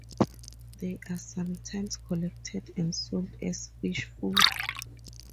They are sometimes collected and sold as fish food.